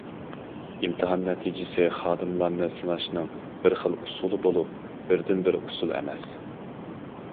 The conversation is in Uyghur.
ئىمتىھان نەتىجىسى خادىملارنى سىناشنىڭ بىر خىل ئۇسۇلى بولۇپ، بىردىنبىر ئۇسۇل ئەمەس.